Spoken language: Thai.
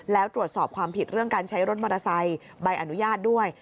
แล้วตรวจสอบความผิดเรื่องการใช้รถมอเตอร์ไซค์ใบอนุญาตด้วย